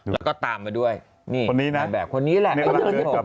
แล้วก็ตามไปด้วยนี่นางแบบคนนี้แหละ